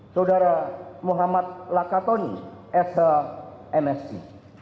saudara muhammad lakatoni shmsi